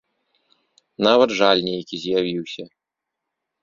Нават жаль нейкі з'явіўся.